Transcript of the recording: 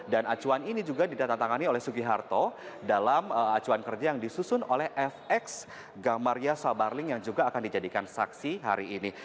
dan acuan ini juga ditatangani oleh sugiharto dalam acuan kerja yang disusun oleh fx gamaria sabarling yang juga akan dijadikan saksi hari ini